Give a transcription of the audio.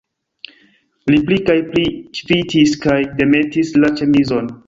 Li pli kaj pli ŝvitis kaj demetis la ĉemizon.